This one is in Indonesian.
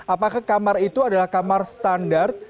apakah kamar itu adalah kamar standar